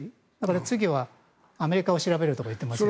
次はアメリカを調べるとか言ってますね。